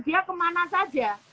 dia kemana saja